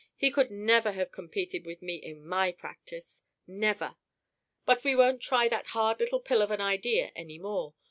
He could never have competed with me in my practice; never! But we won't try that hard little pill of an idea any more.